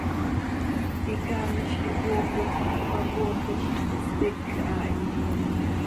Hicaamiz quih hpoopox, cohpapootizx, ihsfíc haa hi.